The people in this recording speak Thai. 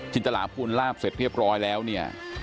ตลาภูลลาบเสร็จเรียบร้อยแล้วเนี่ย